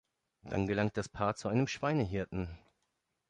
Dann gelangt das Paar zu einem Schweinehirten.